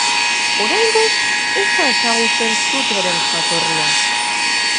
Oraingoz ez da ezagutzen sutearen jatorria.